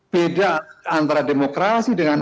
beda antara demokrasi dengan